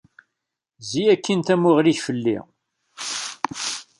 Zzi akkin tamuɣli-k fell-i.